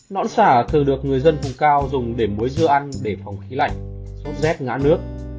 nón xả thường được người dân vùng cao dùng để muối dưa ăn để phòng khí lạnh sốt rét ngã nước